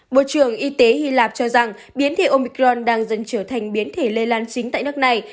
bộ trưởng y tế hy lạp cho rằng biến thể omicron đang dần trở thành biến thể lây lan chính tại nước này